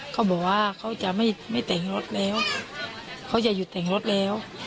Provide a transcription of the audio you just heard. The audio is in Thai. เขาบอกว่าเขาจะไม่แต่งรถแล้วเขาจะหยุดแต่งรถแล้ว